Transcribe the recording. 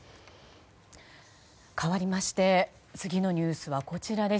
かわりまして次のニュースはこちらです。